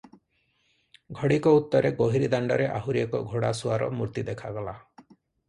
ଘଡ଼ିକ ଉତ୍ତରେ ଗୋହିରୀ ଦାଣ୍ତରେ ଆହୁରି ଏକ ଘୋଡ଼ାସୁଆର ମୂର୍ତ୍ତି ଦେଖାଗଲା ।